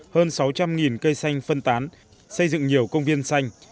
hơn sáu trăm linh cây xanh phân tán xây dựng nhiều công viên xanh